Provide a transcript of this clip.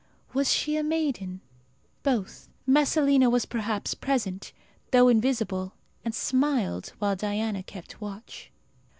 Was she a maiden? Both. Messalina was perhaps present, though invisible, and smiled, while Diana kept watch.